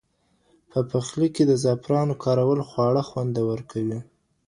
په پخلي کې د زعفرانو کارول خواړه خوندور کوي.